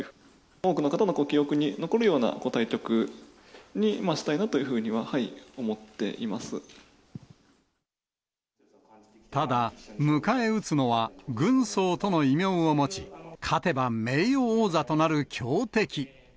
多くの方のご記憶に残るような対局にしたいなというふうには思っただ、迎え撃つのは軍曹との異名を持ち、勝てば名誉王座となる強敵。